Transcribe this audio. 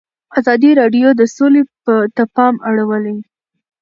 ازادي راډیو د سوله ته پام اړولی.